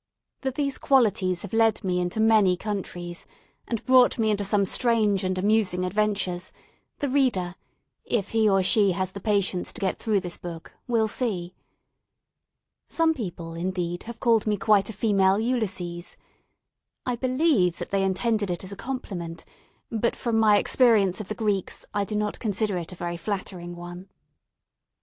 That these qualities have led me into many countries, and brought me into some strange and amusing adventures, the reader, if he or she has the patience to get through this book, will see. Some people, indeed, have called me quite a female Ulysses. I believe that they intended it as a compliment; but from my experience of the Greeks, I do not consider it a very flattering one.